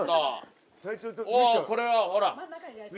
おおこれはほら。